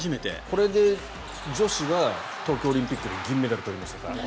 これで女子は東京オリンピックで銀メダルを取りましたから。